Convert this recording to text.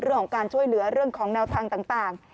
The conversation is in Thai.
เรื่องของการช่วยเหลือเรื่องของแนวทางต่าง